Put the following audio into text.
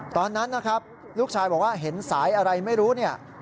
ตอนนั้นนะครับลูกชายบอกว่าเห็นสายอะไรไม่รู้เนี่ย